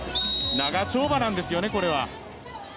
長丁場なんですよね、これは。